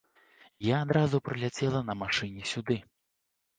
Я адразу прыляцела на машыне сюды.